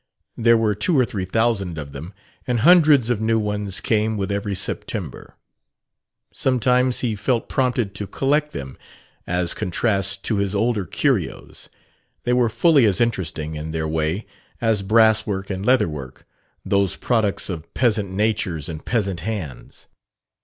There were two or three thousand of them, and hundreds of new ones came with every September. Sometimes he felt prompted to "collect" them, as contrasts to his older curios. They were fully as interesting, in their way, as brasswork and leatherwork, those products of peasant natures and peasant hands.